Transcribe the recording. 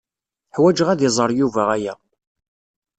Ḥwajeɣ ad iẓer Yuba aya.